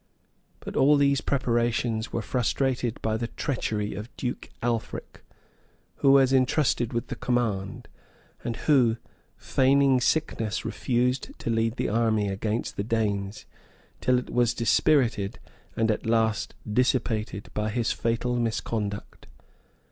But all these preparations were frustrated by the treachery of Duke Alfric, who was intrusted with the command, and who, feigning sickness, refused to lead the army against the Danes, till it was dispirited, and at last dissipated, by his fatal misconduct.